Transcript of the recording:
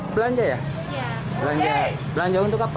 belanja ya belanja untuk apa